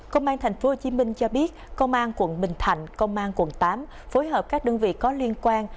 công an tp hcm cho biết công an quận bình thạnh công an quận tám phối hợp các đơn vị có liên quan